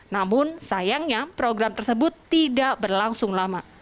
namun sayangnya program tersebut tidak berlangsung lama